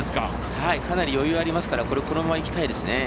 かなり余裕ありますからこのままいきたいですね。